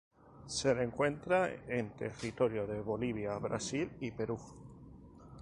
Se le encuentra en territorio de Bolivia, Brasil y Perú.